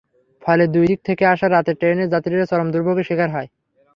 ফলে দুই দিক থেকে আসা রাতের ট্রেনের যাত্রীরা চরম দুর্ভোগের শিকার হয়।